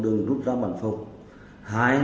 một đường rút ra bản phòng